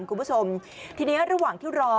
คุณผู้ชมทีนี้ระหว่างที่รอ